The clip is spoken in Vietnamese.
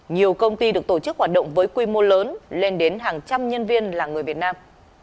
nhiều công ty được tổ chức hoạt động với quy mô lớn lên đến hàng trăm nhân viên là người việt nam